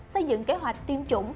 xây dựng kế hoạch tiêm chủng